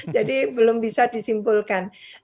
jadi belum bisa disimpulkan